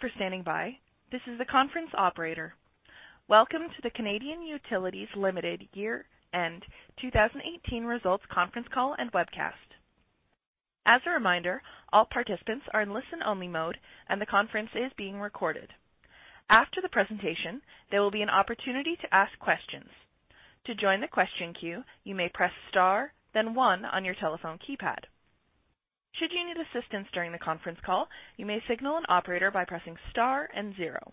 Thank you for standing by. This is the conference operator. Welcome to the Canadian Utilities Limited Year-End 2018 Results Conference Call and Webcast. As a reminder, all participants are in listen-only mode, and the conference is being recorded. After the presentation, there will be an opportunity to ask questions. To join the question queue, you may press star then one on your telephone keypad. Should you need assistance during the conference call, you may signal an operator by pressing star and zero.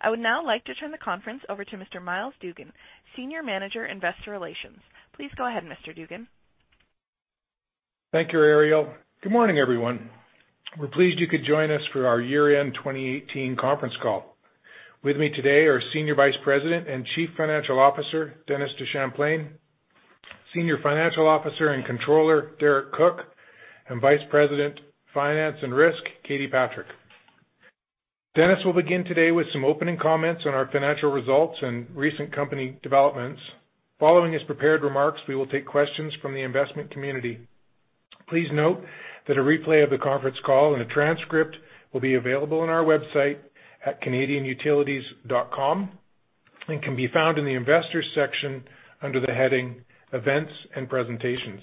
I would now like to turn the conference over to Mr. Myles Dougan, Senior Manager, Investor Relations. Please go ahead, Mr. Dougan. Thank you, Ariel. Good morning, everyone. We're pleased you could join us for our year-end 2018 conference call. With me today are Senior Vice President and Chief Financial Officer, Dennis DeChamplain, Senior Financial Officer and Controller, Derek Cook, and Vice President, Finance and Risk, Katie Patrick. Dennis will begin today with some opening comments on our financial results and recent company developments. Following his prepared remarks, we will take questions from the investment community. Please note that a replay of the conference call and a transcript will be available on our website at canadianutilities.com and can be found in the investors section under the heading Events and Presentations.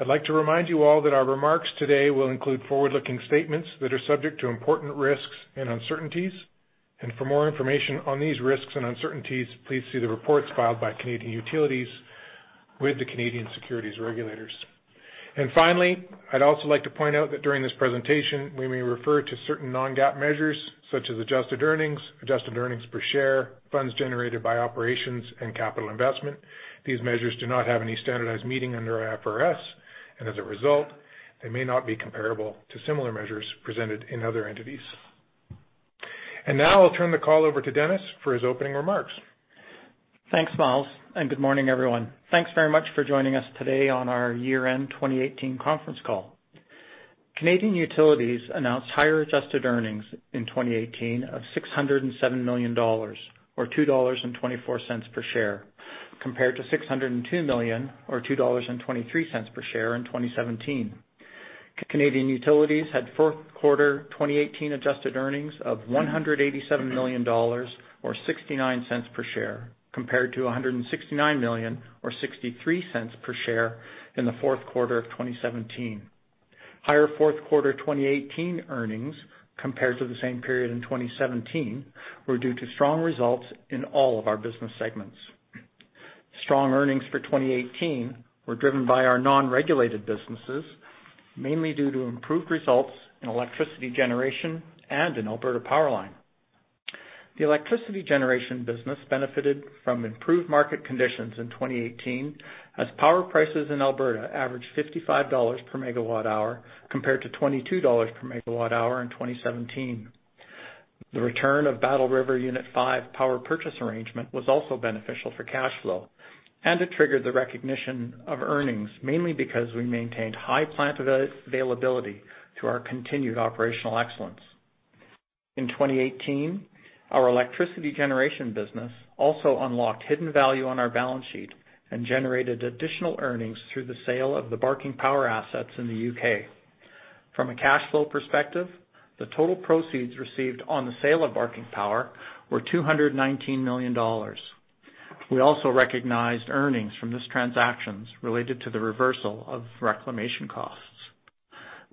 I'd like to remind you all that our remarks today will include forward-looking statements that are subject to important risks and uncertainties. For more information on these risks and uncertainties, please see the reports filed by Canadian Utilities with the Canadian securities regulators. Finally, I'd also like to point out that during this presentation, we may refer to certain non-GAAP measures such as adjusted earnings, adjusted earnings per share, funds generated by operations, and capital investment. These measures do not have any standardized meaning under IFRS, and as a result, they may not be comparable to similar measures presented in other entities. Now I'll turn the call over to Dennis for his opening remarks. Thanks, Myles. Good morning, everyone. Thanks very much for joining us today on our year-end 2018 conference call. Canadian Utilities announced higher adjusted earnings in 2018 of 607 million dollars, or 2.24 dollars per share compared to 602 million or 2.23 dollars per share in 2017. Canadian Utilities had fourth quarter 2018 adjusted earnings of 187 million dollars or 0.69 per share compared to 169 million or 0.63 per share in the fourth quarter of 2017. Higher fourth quarter 2018 earnings compared to the same period in 2017 were due to strong results in all of our business segments. Strong earnings for 2018 were driven by our non-regulated businesses, mainly due to improved results in electricity generation and in Alberta PowerLine. The electricity generation business benefited from improved market conditions in 2018 as power prices in Alberta averaged 55 dollars per megawatt hour compared to 22 dollars per megawatt hour in 2017. The return of Battle River Unit five power purchase arrangement was also beneficial for cash flow, and it triggered the recognition of earnings, mainly because we maintained high plant availability through our continued operational excellence. In 2018, our electricity generation business also unlocked hidden value on our balance sheet and generated additional earnings through the sale of the Barking Power assets in the U.K. From a cash flow perspective, the total proceeds received on the sale of Barking Power were 219 million dollars. We also recognized earnings from this transactions related to the reversal of reclamation costs.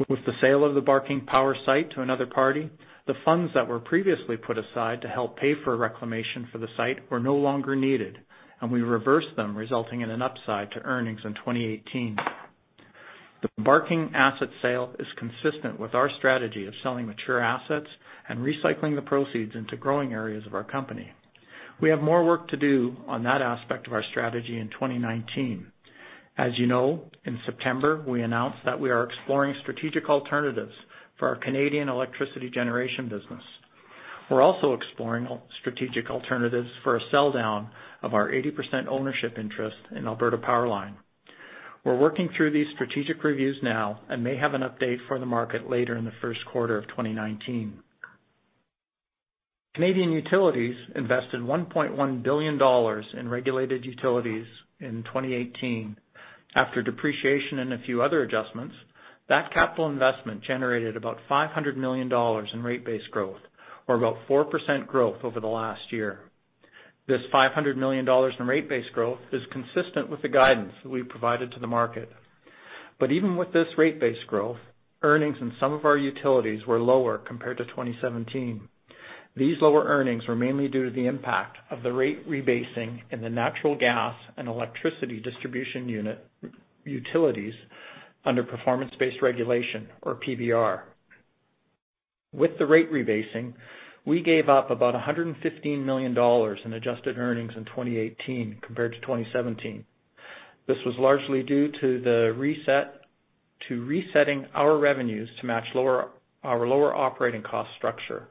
With the sale of the Barking Power site to another party, the funds that were previously put aside to help pay for reclamation for the site were no longer needed, and we reversed them, resulting in an upside to earnings in 2018. The Barking asset sale is consistent with our strategy of selling mature assets and recycling the proceeds into growing areas of our company. We have more work to do on that aspect of our strategy in 2019. As you know, in September, we announced that we are exploring strategic alternatives for our Canadian electricity generation business. We're also exploring strategic alternatives for a sell-down of our 80% ownership interest in Alberta PowerLine. We're working through these strategic reviews now and may have an update for the market later in the first quarter of 2019. Canadian Utilities invested 1.1 billion dollars in regulated utilities in 2018. After depreciation and a few other adjustments, that capital investment generated about 500 million dollars in rate base growth, or about 4% growth over the last year. Even with this rate base growth, earnings in some of our utilities were lower compared to 2017. These lower earnings were mainly due to the impact of the rate rebasing in the natural gas and electricity distribution unit utilities under performance-based regulation or PBR. With the rate rebasing, we gave up about 115 million dollars in adjusted earnings in 2018 compared to 2017. This was largely due to resetting our revenues to match our lower operating cost structure.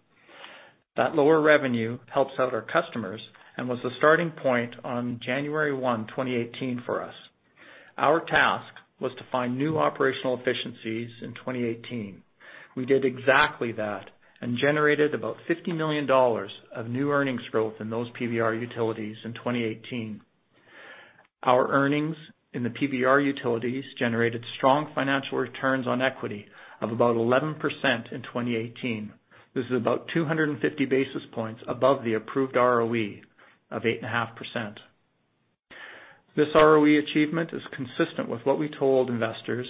That lower revenue helps out our customers and was the starting point on January one, 2018 for us. Our task was to find new operational efficiencies in 2018. We did exactly that and generated about 50 million dollars of new earnings growth in those PBR utilities in 2018. Our earnings in the PBR utilities generated strong financial returns on equity of about 11% in 2018. This is about 250 basis points above the approved ROE of 8.5%. This ROE achievement is consistent with what we told investors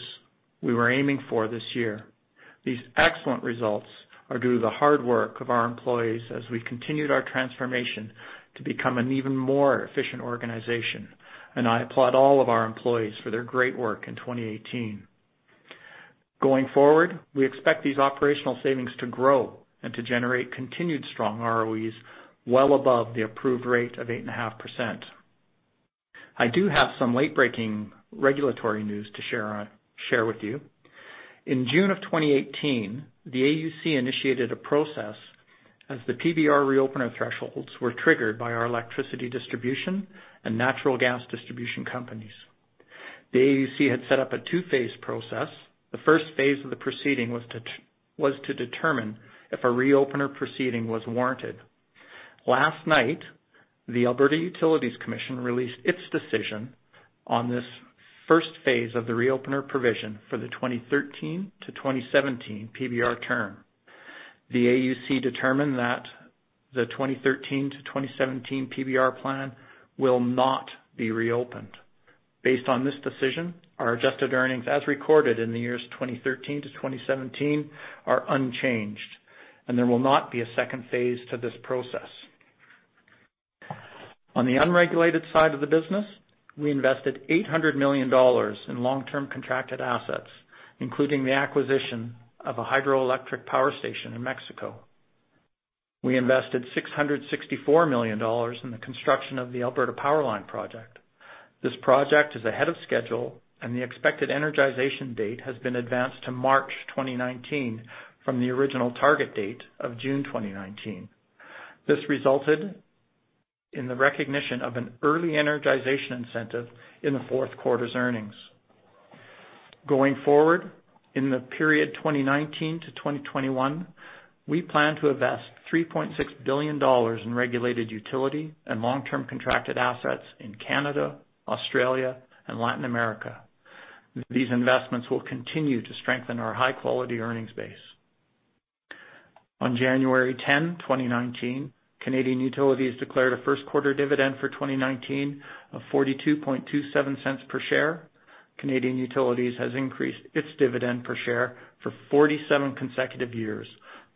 we were aiming for this year. These excellent results are due to the hard work of our employees as we continued our transformation to become an even more efficient organization, and I applaud all of our employees for their great work in 2018. Going forward, we expect these operational savings to grow and to generate continued strong ROEs well above the approved rate of 8.5%. I do have some late-breaking regulatory news to share with you. In June of 2018, the AUC initiated a process as the PBR reopener thresholds were triggered by our electricity distribution and natural gas distribution companies. The AUC had set up a 2-phase process. The first phase of the proceeding was to determine if a reopener proceeding was warranted. Last night, the Alberta Utilities Commission released its decision on this first phase of the reopener provision for the 2013 to 2017 PBR term. The AUC determined that the 2013 to 2017 PBR plan will not be reopened. Based on this decision, our adjusted earnings as recorded in the years 2013 to 2017 are unchanged, and there will not be a second phase to this process. On the unregulated side of the business, we invested 800 million dollars in long-term contracted assets, including the acquisition of a hydroelectric power station in Mexico. We invested 664 million dollars in the construction of the Alberta PowerLine project. This project is ahead of schedule, and the expected energization date has been advanced to March 2019 from the original target date of June 2019. This resulted in the recognition of an early energization incentive in the fourth quarter's earnings. Going forward, in the period 2019 to 2021, we plan to invest 3.6 billion dollars in regulated utility and long-term contracted assets in Canada, Australia, and Latin America. These investments will continue to strengthen our high-quality earnings base. On January 10, 2019, Canadian Utilities declared a first-quarter dividend for 2019 of 0.4227 per share. Canadian Utilities has increased its dividend per share for 47 consecutive years,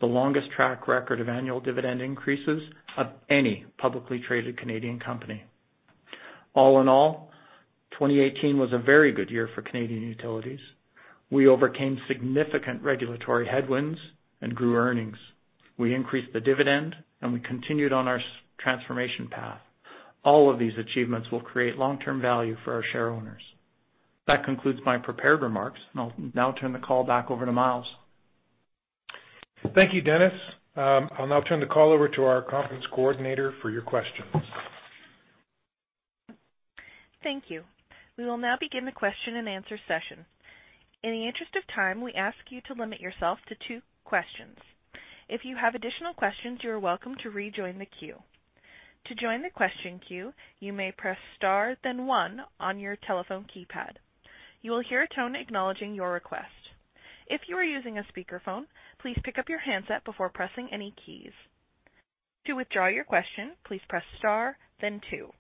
the longest track record of annual dividend increases of any publicly traded Canadian company. All in all, 2018 was a very good year for Canadian Utilities. We overcame significant regulatory headwinds and grew earnings. We increased the dividend, we continued on our transformation path. All of these achievements will create long-term value for our share owners. That concludes my prepared remarks, I'll now turn the call back over to Myles. Thank you, Dennis. I'll now turn the call over to our conference coordinator for your questions. Thank you. We will now begin the question-and-answer session. In the interest of time, we ask you to limit yourself to two questions. If you have additional questions, you are welcome to rejoin the queue. To join the question queue, you may press star then one on your telephone keypad. You will hear a tone acknowledging your request. If you are using a speakerphone, please pick up your handset before pressing any keys. To withdraw your question, please press star then two.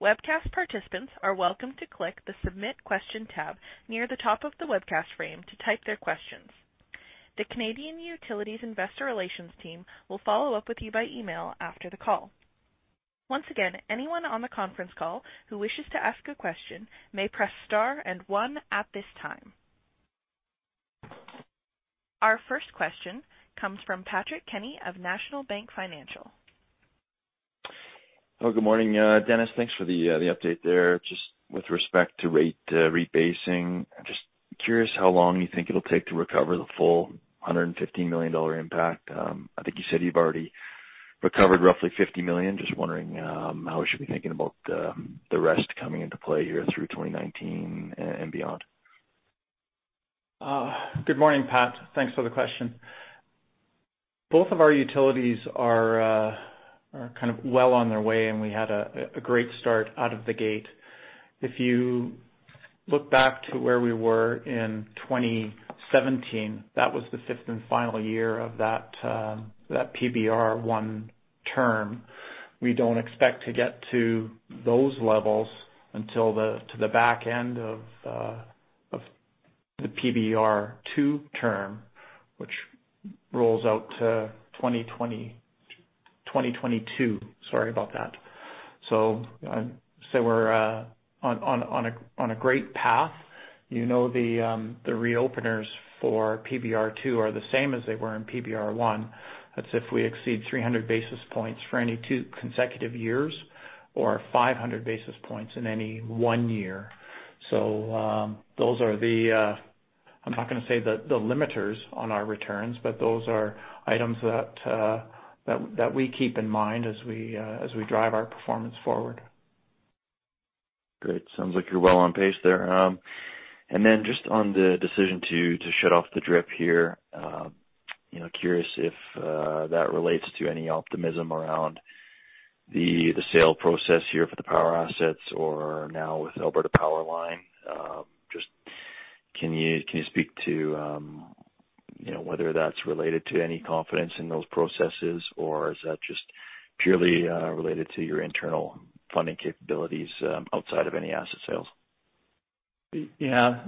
Webcast participants are welcome to click the Submit Question tab near the top of the webcast frame to type their questions. The Canadian Utilities investor relations team will follow up with you by email after the call. Once again, anyone on the conference call who wishes to ask a question may press star and one at this time. Our first question comes from Patrick Kenny of National Bank Financial. Hello, good morning. Dennis, thanks for the update there. Just with respect to rate rebasing, I'm just curious how long you think it'll take to recover the full 115 million dollar impact. I think you said you've already recovered roughly 50 million. Just wondering how we should be thinking about the rest coming into play here through 2019 and beyond. Good morning, Pat. Thanks for the question. Both of our utilities are kind of well on their way, and we had a great start out of the gate. If you look back to where we were in 2017, that was the fifth and final year of that PBR one term. We don't expect to get to those levels until the back end of the PBR two term, which rolls out to 2022. Sorry about that. Say we're on a great path. You know the reopeners for PBR two are the same as they were in PBR one. That's if we exceed 300 basis points for any two consecutive years or 500 basis points in any one year. Those are I'm not going to say the limiters on our returns, but those are items that we keep in mind as we drive our performance forward. Great. Sounds like you're well on pace there. On the decision to shut off the DRIP here, curious if that relates to any optimism around the sale process here for the power assets or now with Alberta PowerLine. Can you speak to whether that's related to any confidence in those processes or is that just purely related to your internal funding capabilities outside of any asset sales? Yeah.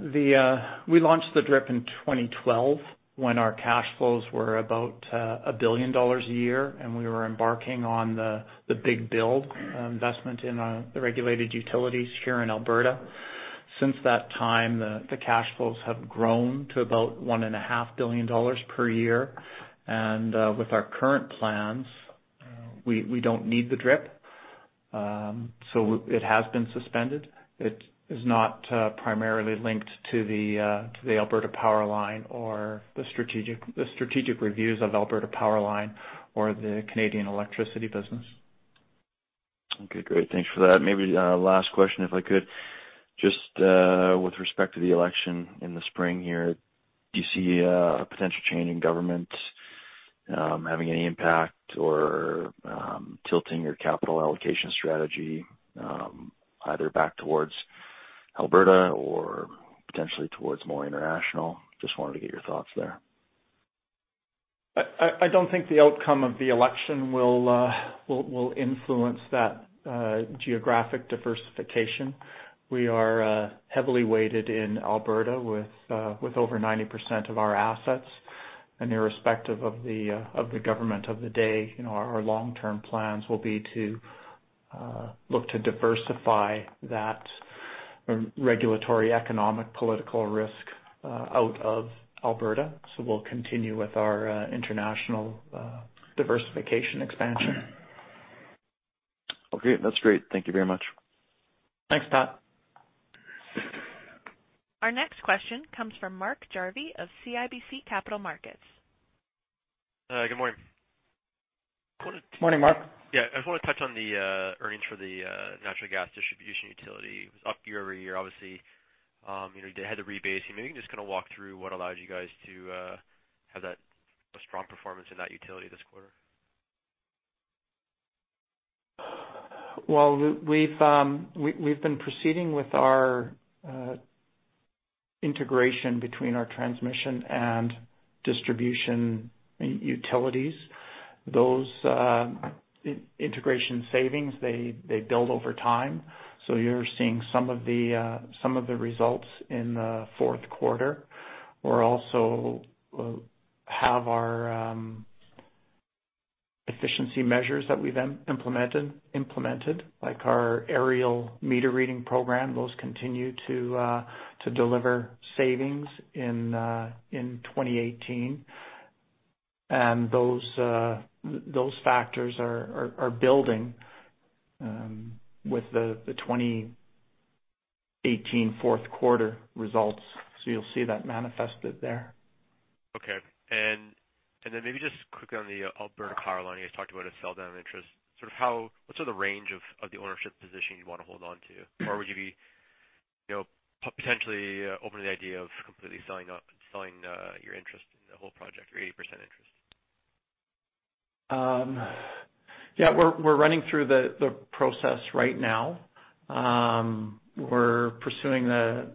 We launched the DRIP in 2012 when our cash flows were about 1 billion dollars a year and we were embarking on the big build investment in the regulated utilities here in Alberta. Since that time, the cash flows have grown to about 1.5 billion dollars per year. With our current plans, we don't need the DRIP. It has been suspended. It is not primarily linked to the Alberta PowerLine or the strategic reviews of Alberta PowerLine or the Canadian electricity business. Okay, great. Thanks for that. Maybe last question, if I could. With respect to the election in the spring here, do you see a potential change in government having any impact or tilting your capital allocation strategy, either back towards Alberta or potentially towards more international? Wanted to get your thoughts there. I don't think the outcome of the election will influence that geographic diversification. We are heavily weighted in Alberta with over 90% of our assets. Irrespective of the government of the day, our long-term plans will be to look to diversify that regulatory, economic, political risk out of Alberta. We'll continue with our international diversification expansion. Okay. That's great. Thank you very much. Thanks, Patrick. Our next question comes from Mark Jarvi of CIBC Capital Markets. Good morning. Morning, Mark. Yeah, I just want to touch on the earnings for the natural gas distribution utility. It was up year-over-year, obviously. You had the rebasing. You can just kind of walk through what allowed you guys to have that strong performance in that utility this quarter. Well, we've been proceeding with our integration between our transmission and distribution utilities. Those integration savings, they build over time. You're seeing some of the results in the fourth quarter. We also have our efficiency measures that we've implemented, like our aerial meter reading program. Those continue to deliver savings in 2018. Those factors are building with the 2018 fourth quarter results. You'll see that manifested there. Okay. Then maybe just quickly on the Alberta PowerLine, you guys talked about a sell-down interest, what's the range of the ownership position you want to hold on to? Or would you be potentially open to the idea of completely selling your interest in the whole project or 80% interest? Yeah, we're running through the process right now. We're pursuing the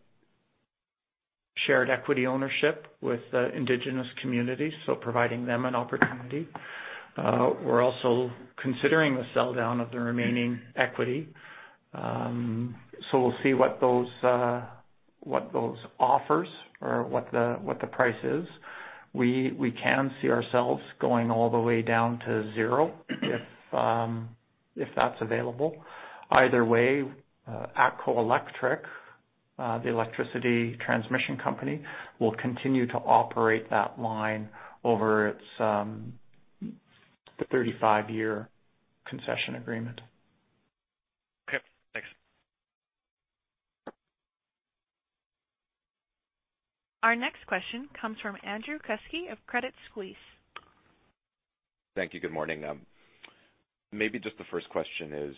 shared equity ownership with Indigenous communities, so providing them an opportunity. We're also considering the sell-down of the remaining equity. We'll see what those offers or what the price is. We can see ourselves going all the way down to zero, if that's available. Either way, ATCO Electric, the electricity transmission company, will continue to operate that line over its 35-year concession agreement. Okay, thanks. Our next question comes from Andrew Kusky of Credit Suisse. Thank you. Good morning. Maybe just the first question is,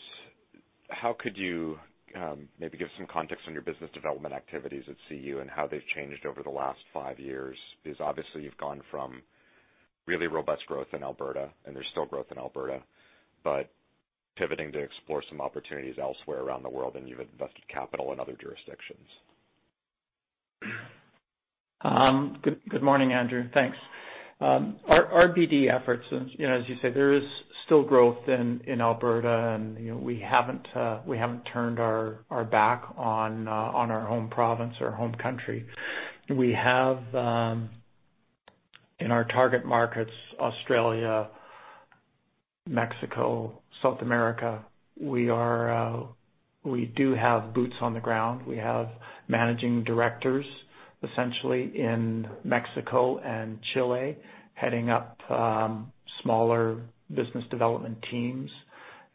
how could you maybe give some context on your business development activities at CU and how they've changed over the last five years? Obviously you've gone from really robust growth in Alberta, and there's still growth in Alberta, but pivoting to explore some opportunities elsewhere around the world, and you've invested capital in other jurisdictions. Good morning, Andrew. Thanks. Our BD efforts, as you say, there is still growth in Alberta, and we haven't turned our back on our own province or home country. We have, in our target markets, Australia, Mexico, South America, we do have boots on the ground. We have managing directors, essentially in Mexico and Chile, heading up smaller business development teams.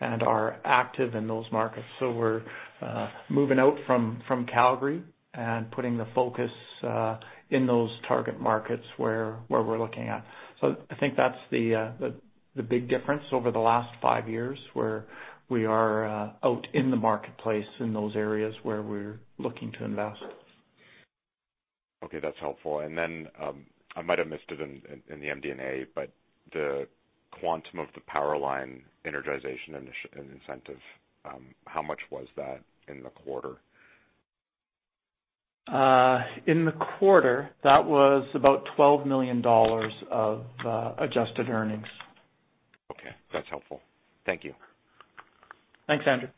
Are active in those markets. We're moving out from Calgary and putting the focus in those target markets where we're looking at. I think that's the big difference over the last five years, where we are out in the marketplace in those areas where we're looking to invest. Okay, that's helpful. I might have missed it in the MD&A, but the quantum of the power line energization and incentive, how much was that in the quarter? In the quarter, that was about 12 million dollars of adjusted earnings. Okay. That's helpful. Thank you. Thanks, Andrew.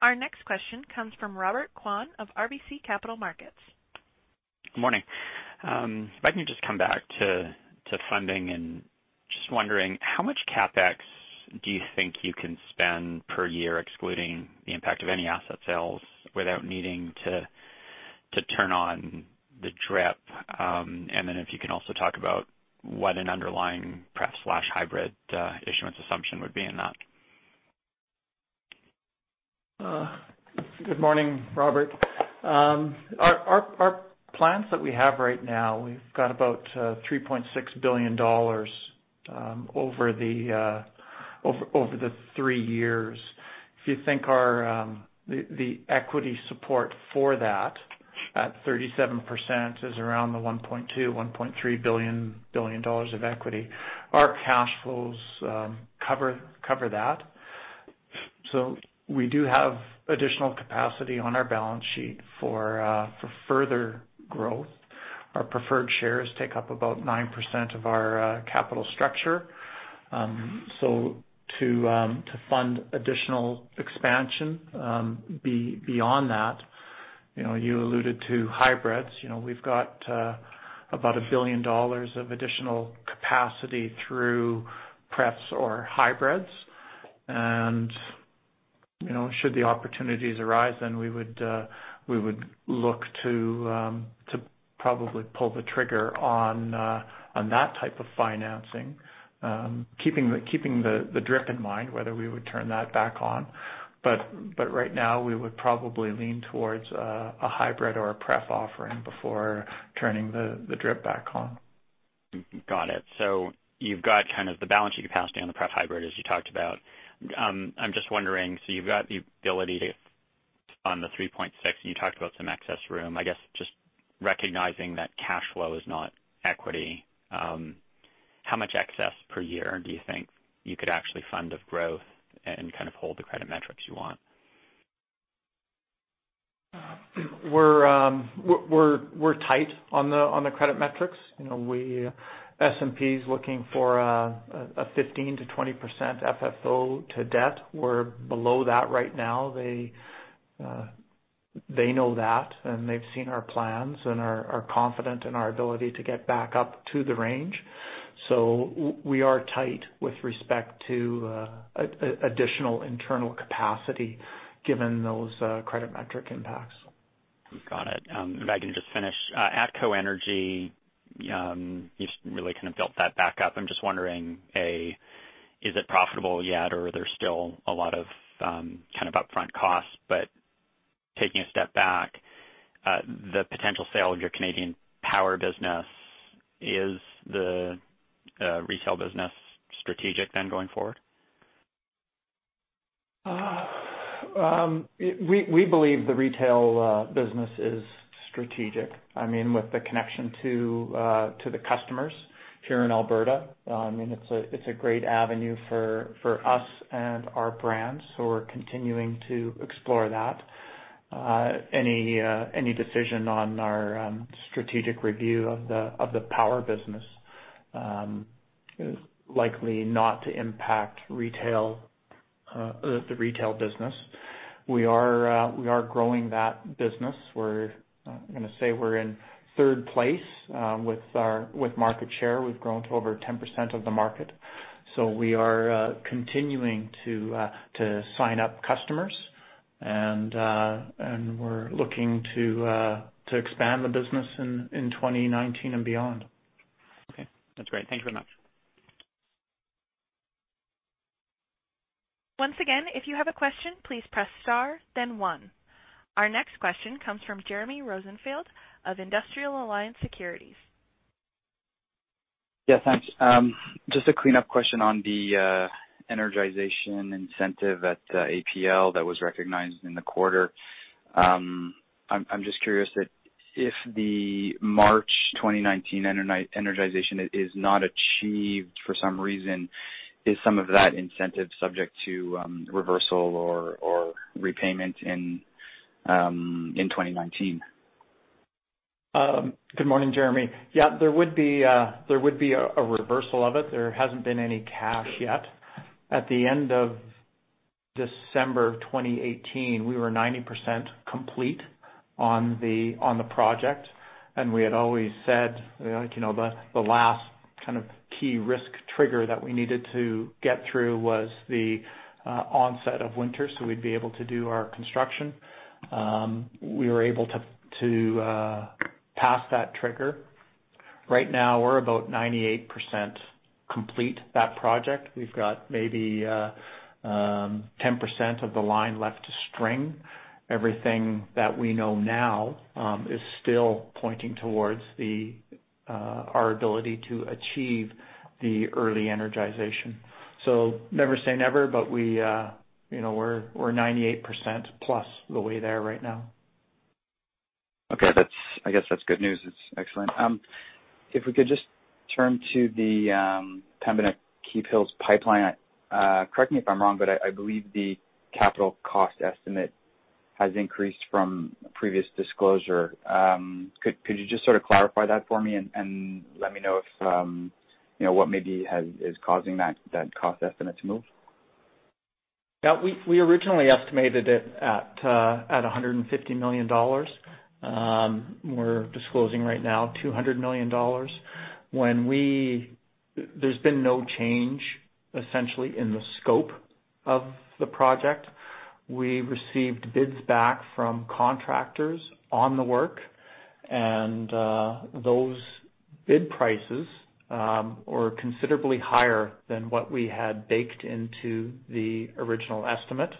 Our next question comes from Robert Kwan of RBC Capital Markets. Good morning. If I can just come back to funding and just wondering, how much CapEx do you think you can spend per year, excluding the impact of any asset sales without needing to turn on the DRIP? If you can also talk about what an underlying pref/hybrid issuance assumption would be in that. Good morning, Robert. Our plans that we have right now, we've got about 3.6 billion dollars over the three years. If you think the equity support for that at 37% is around the 1.2 billion-1.3 billion of equity. Our cash flows cover that. We do have additional capacity on our balance sheet for further growth. Our preferred shares take up about 9% of our capital structure. To fund additional expansion beyond that, you alluded to hybrids. We've got about 1 billion dollars of additional capacity through pref or hybrids. Should the opportunities arise, then we would look to probably pull the trigger on that type of financing, keeping the DRIP in mind, whether we would turn that back on. Right now, we would probably lean towards a hybrid or a pref offering before turning the DRIP back on. Got it. You've got kind of the balance sheet capacity on the pref hybrid as you talked about. I'm just wondering, you've got the ability to, on the 3.6, and you talked about some excess room, I guess just recognizing that cash flow is not equity. How much excess per year do you think you could actually fund of growth and kind of hold the credit metrics you want? We're tight on the credit metrics. S&P's looking for a 15%-20% FFO to debt. We're below that right now. They know that, and they've seen our plans and are confident in our ability to get back up to the range. We are tight with respect to additional internal capacity, given those credit metric impacts. Got it. If I can just finish. ATCO Energy, you've really kind of built that back up. I'm just wondering, A, is it profitable yet or are there still a lot of upfront costs? Taking a step back, the potential sale of your Canadian power business, is the retail business strategic then going forward? We believe the retail business is strategic. With the connection to the customers here in Alberta. It's a great avenue for us and our brands. We're continuing to explore that. Any decision on our strategic review of the power business is likely not to impact the retail business. We are growing that business. I'm going to say we're in third place with market share. We've grown to over 10% of the market. We are continuing to sign up customers and we're looking to expand the business in 2019 and beyond. Okay. That's great. Thank you very much. Once again, if you have a question, please press star then one. Our next question comes from Jeremy Rosenfield of Industrial Alliance Securities. Yeah, thanks. Just a cleanup question on the energization incentive at APL that was recognized in the quarter. I'm just curious that if the March 2019 energization is not achieved for some reason, is some of that incentive subject to reversal or repayment in 2019? Good morning, Jeremy. Yeah, there would be a reversal of it. There hasn't been any cash yet. At the end of December 2018, we were 90% complete on the project, and we had always said, the last kind of key risk trigger that we needed to get through was the onset of winter, so we'd be able to do our construction. We are past that trigger. Right now, we're about 98% complete that project. We've got maybe 10% of the line left to string. Everything that we know now is still pointing towards our ability to achieve the early energization. Never say never, but we're 98% plus the way there right now. Okay. I guess that's good news. It's excellent. If we could just turn to the Pembina-Keephills pipeline. Correct me if I'm wrong, I believe the capital cost estimate has increased from previous disclosure. Could you just sort of clarify that for me and let me know what maybe is causing that cost estimate to move? Yeah. We originally estimated it at 150 million dollars. We're disclosing right now 200 million dollars. There's been no change, essentially, in the scope of the project. We received bids back from contractors on the work, those bid prices were considerably higher than what we had baked into the original estimate.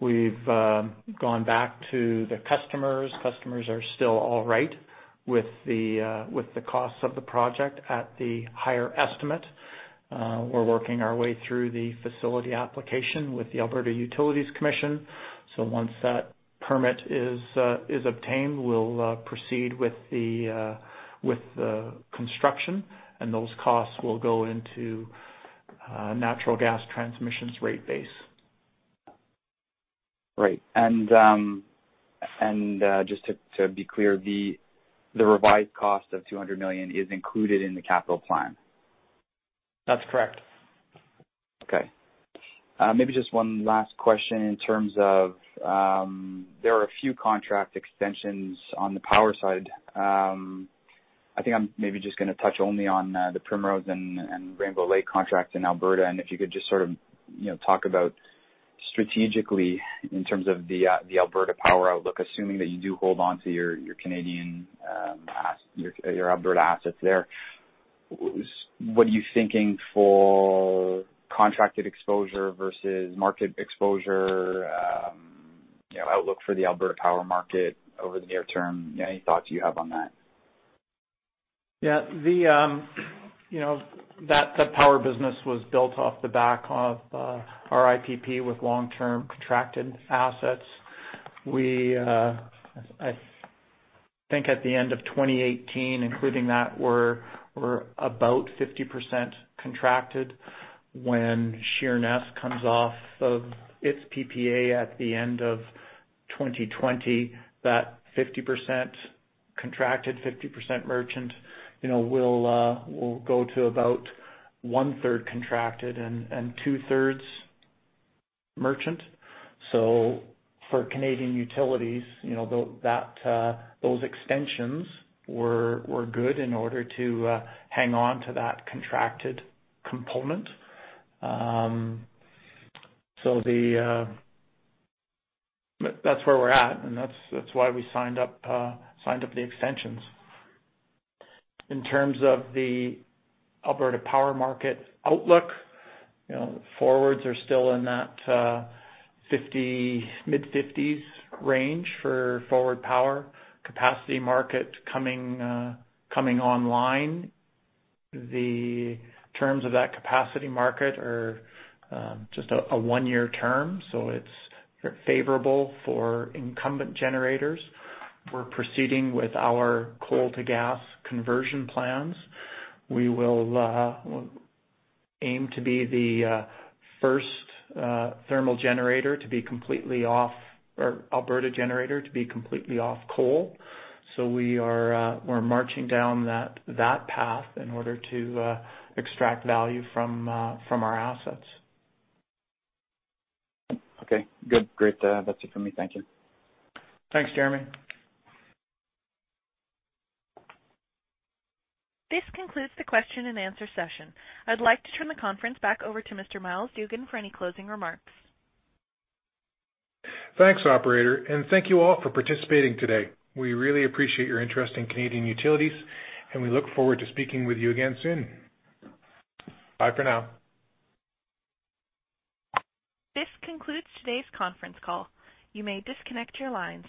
We've gone back to the customers. Customers are still all right with the costs of the project at the higher estimate. We're working our way through the facility application with the Alberta Utilities Commission. Once that permit is obtained, we'll proceed with the construction, and those costs will go into natural gas transmissions rate base. Right. Just to be clear, the revised cost of 200 million is included in the capital plan? That's correct. Okay. Maybe just one last question in terms of, there are a few contract extensions on the power side. I think I'm maybe just going to touch only on the Primrose and Rainbow Lake contracts in Alberta, and if you could just sort of talk about strategically, in terms of the Alberta power outlook, assuming that you do hold onto your Alberta assets there, what are you thinking for contracted exposure versus market exposure, outlook for the Alberta power market over the near term? Any thoughts you have on that? Yeah. The power business was built off the back of our IPP with long-term contracted assets. I think at the end of 2018, including that, we're about 50% contracted. When Sheerness comes off of its PPA at the end of 2020, that 50% contracted, 50% merchant, will go to about one-third contracted and two-thirds merchant. For Canadian Utilities, those extensions were good in order to hang on to that contracted component. That's where we're at, and that's why we signed up the extensions. In terms of the Alberta power market outlook, forwards are still in that mid-50s range for forward power. Capacity market coming online. The terms of that Capacity market are just a one-year term, so it's favorable for incumbent generators. We're proceeding with our coal to gas conversion plans. We will aim to be the first Alberta generator to be completely off coal. We're marching down that path in order to extract value from our assets. Okay. Good. Great. That's it for me. Thank you. Thanks, Jeremy. This concludes the question and answer session. I'd like to turn the conference back over to Mr. Myles Dougan for any closing remarks. Thanks, operator. Thank you all for participating today. We really appreciate your interest in Canadian Utilities, and we look forward to speaking with you again soon. Bye for now. This concludes today's conference call. You may disconnect your lines.